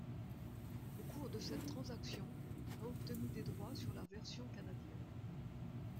Au cours de cette transaction, a obtenu des droits sur la version canadienne.